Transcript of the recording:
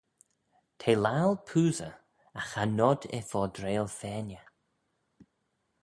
T'eh laccal poosey agh cha nod eh fordrail fainey.